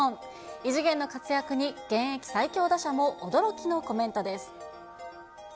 異次元の活躍に、現役最強打者も驚きのコメントです。